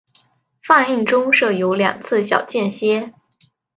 放映中设有两次小间歇。